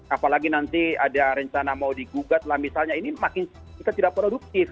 apalagi nanti ada rencana mau digugat lah misalnya ini makin kita tidak produktif